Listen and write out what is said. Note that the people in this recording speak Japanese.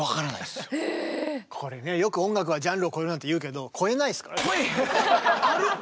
これねよく音楽はジャンルを超えるなんていうけど超えないすからね。